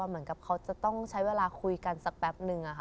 เหมือนกับเขาจะต้องใช้เวลาคุยกันสักแป๊บนึง